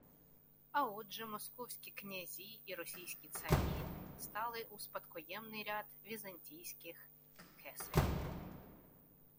А отже, московські князі і російські царі стали у спадкоємний ряд візантійських кесарів